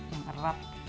yang erat gitu